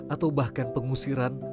atau bahkan pengusiran